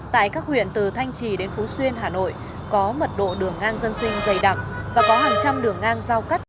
tại các huyện từ thanh trì đến phú xuyên hà nội có mật độ đường ngang dân sinh dày đặc và có hàng trăm đường ngang giao cắt